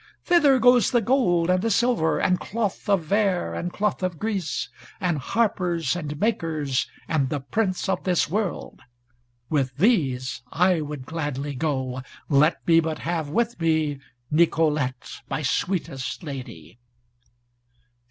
Thither goes the gold, and the silver, and cloth of vair, and cloth of gris, and harpers, and makers, and the prince of this world. With these I would gladly go, let me but have with me, Nicolete, my sweetest lady."